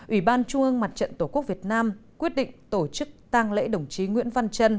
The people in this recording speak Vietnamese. ủy ban trung ương mặt trận tổ quốc việt nam quyết định tổ chức tăng lễ đồng chí nguyễn văn trân